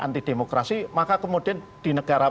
anti demokrasi maka kemudian di negara